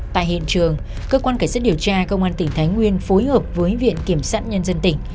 tại hiện trường cơ quan cảnh sát điều tra công an tỉnh thái nguyên phối hợp với viện kiểm sát nhân dân tỉnh